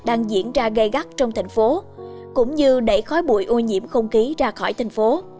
đang diễn ra gây gắt trong thành phố cũng như đẩy khói bụi ô nhiễm không khí ra khỏi thành phố